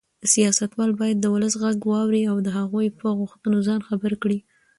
سیاستوال باید د ولس غږ واوري او د هغوی په غوښتنو ځان خبر کړي.